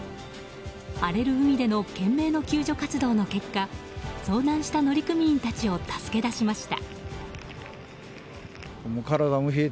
荒れる海での懸命の救助活動の結果遭難した乗組員たちを助け出しました。